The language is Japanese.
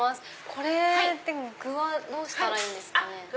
これって具はどうしたらいいんですかね。